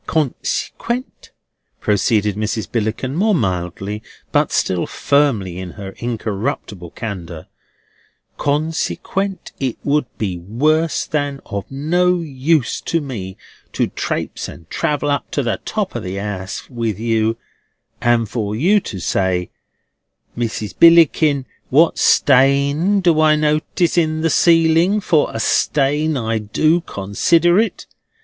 "Consequent," proceeded Mrs. Billickin, more mildly, but still firmly in her incorruptible candour: "consequent it would be worse than of no use for me to trapse and travel up to the top of the 'ouse with you, and for you to say, 'Mrs. Billickin, what stain do I notice in the ceiling, for a stain I do consider it?